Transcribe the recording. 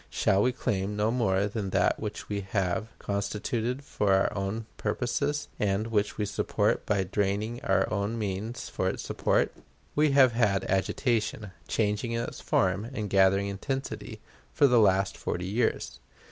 Shall we claim no more from that which we have constituted for our own purposes, and which we support by draining our own means for its support? We have had agitation, changing in its form, and gathering intensity, for the last forty years.